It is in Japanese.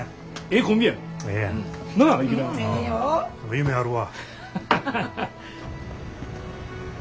夢あるわ。